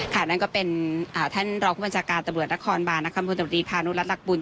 ค่ะนั่นก็เป็นท่านรอบคุณพันธ์จากการตำรวจนครบานบรรณคมธรรมดีพานุรัตน์หลักบุญ